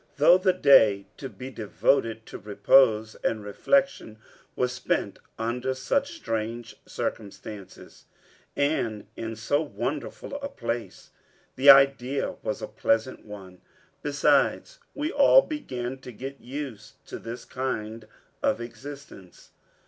Though the day to be devoted to repose and reflection was spent under such strange circumstances, and in so wonderful a place, the idea was a pleasant one. Besides, we all began to get used to this kind of existence.